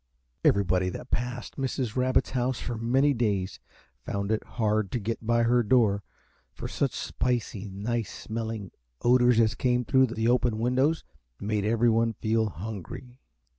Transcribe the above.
Everybody that passed Mrs. Rabbit's home for many days found it hard to get by her door, for such spicy, nice smelling odors as came through the open windows made everyone feel hungry.